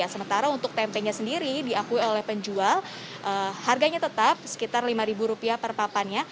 sementara untuk tempenya sendiri diakui oleh penjual harganya tetap sekitar rp lima per papannya